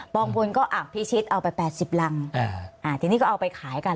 ปองพลก็อับพิชิดเอาไป๘๐รังอ่าทีนี้ก็เอาไปขายกัน